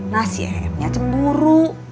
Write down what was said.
nah si emnya cepuru